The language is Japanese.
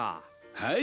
はい。